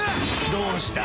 どうした？